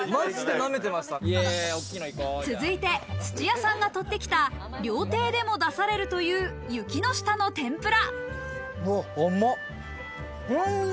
続いて土屋さんが採ってきた、料亭でも出されるというユキノシタの天ぷら。